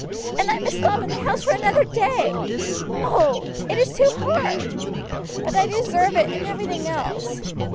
And I must stop in the house for another day! Oh! it is too hard! But I deserve it, and everything else."